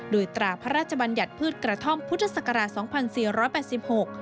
โดยตราพระราชบัญญัติพืชกระท่อมพุทธศักราช๒๔๘๖